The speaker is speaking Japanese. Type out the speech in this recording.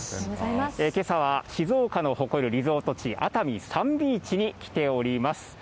けさは静岡の誇るリゾート地、熱海サンビーチに来ております。